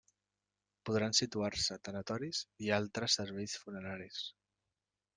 Podran situar-se tanatoris i altres serveis funeraris.